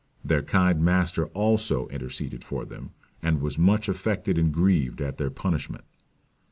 Their kind master also interceded for them; and was much affected and grieved at their punishment."